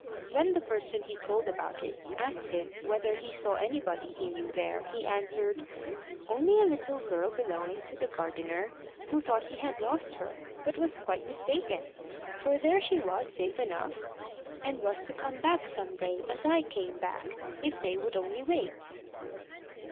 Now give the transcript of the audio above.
When the person he told about it asked him whether he saw anybody he knew there, he answered, "Only a little girl belonging to the gardener, who thought he had lost her, but was quite mistaken, for there she was safe enough, and was to come back some day, as I came back, if they would only wait."